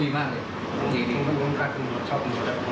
ยืนยันเหรอตำรวจเขาเสียแล้ว